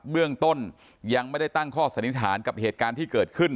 เบื้องต้นยังไม่ได้ตั้งข้อสันนิษฐานกับเหตุการณ์ที่เกิดขึ้น